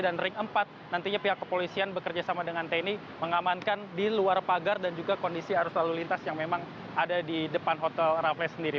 dan ring empat nantinya pihak kepolisian bekerjasama dengan tni mengamankan di luar pagar dan juga kondisi arus lalu lintas yang memang ada di depan hotel rafles sendiri